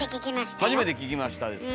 初めて聞きましたよ？